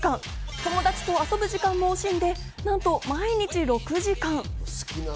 友達と遊ぶ時間も惜しんで、なんと毎日６時間。